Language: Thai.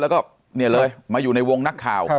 แล้วก็เนี่ยเลยมาอยู่ในวงนักข่าว